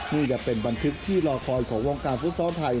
นี่จะเป็นบันทึกที่รอคอยของวงการฟุตซอลไทย